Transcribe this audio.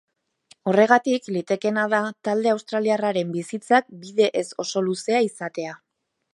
Horregatik, litekeena da talde australiarraren bizitzak bide ez oso luzea izatea.